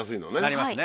なりますね。